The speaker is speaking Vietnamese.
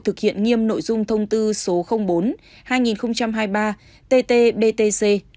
thực hiện nghiêm nội dung thông tư số bốn hai nghìn hai mươi ba tt btc